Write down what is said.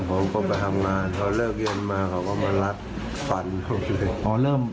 ผมก็ไปทำงานเขาเลิกเย็นมาเขาก็มารัดฟันเขาเลย